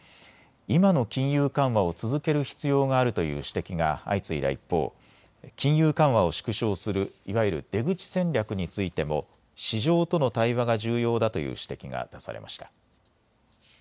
今の金融緩和を続ける必要があるという指摘が相次いだ一方、金融緩和を縮小する、いわゆる出口戦略についても市場との対話が重要だという指摘が出されました。